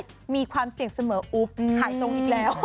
มีความเสี่ยงเสมออุ๊บขายตรงอีกแล้ว